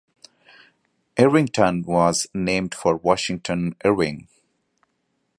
Irvington was named for Washington Irving.